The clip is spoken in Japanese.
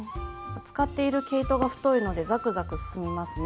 使っている毛糸が太いのでザクザク進みますね。